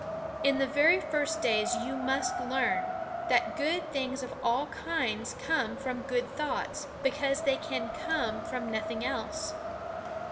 In the very first days you must learn, that good things of all kinds come from good thoughts, because they can come from nothing else.